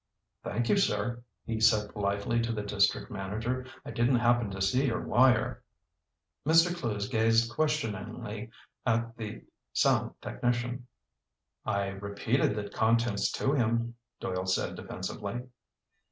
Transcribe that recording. "Thank you, sir," he said politely to the district manager. "I didn't happen to see your wire." Mr. Clewes gazed questioningly at the sound technician. "I repeated the contents to him," Doyle said defensively.